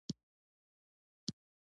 افغانستان د زردالو په اړه علمي څېړنې لري.